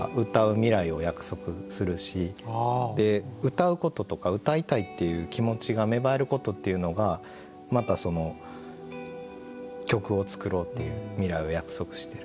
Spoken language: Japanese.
歌うこととか歌いたいっていう気持ちが芽生えることっていうのがまたその曲を作ろうっていう未来を約束してる。